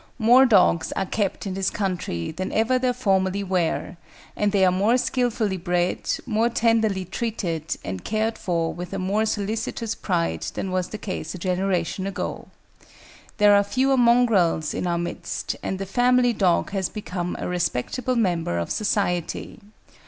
More dogs are kept in this country than ever there formerly were, and they are more skilfully bred, more tenderly treated, and cared for with a more solicitous pride than was the case a generation ago. There are fewer mongrels in our midst, and the family dog has become a respectable member of society.